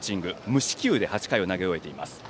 無四球で８回を投げ終えています。